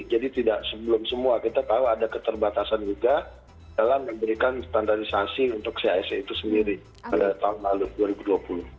jadi tidak sebelum semua kita tahu ada keterbatasan juga dalam memberikan standarisasi untuk cise itu sendiri pada tahun lalu dua ribu dua puluh